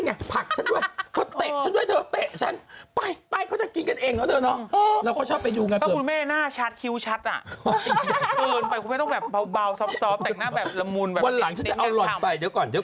น่าวันหลังใจเดี๋ยวจะไป